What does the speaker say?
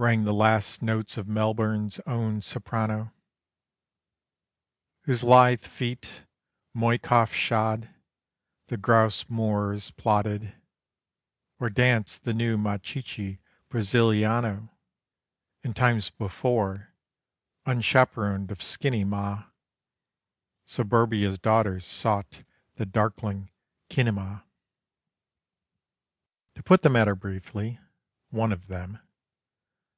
Rang the last notes of Melbourne's own soprano; Whose lithe feet, Moykoff shod, the grouse moors plodded, Or danced the new Machiché Brasiliano, In times before, unchaperoned of skinny ma, Suburbia's daughters sought the darkling kinema: To put the matter briefly One of Them.